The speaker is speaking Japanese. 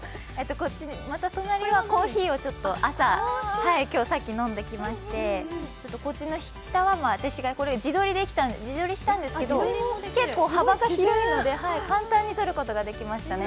隣は、コーヒーをさっき飲んできましてこっちの下は自撮りしたんですけど結構幅が広いので、簡単に撮ることができましたね。